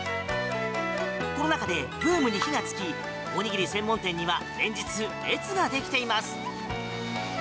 コロナ禍でブームに火がつきおにぎり専門店には連日、列ができています。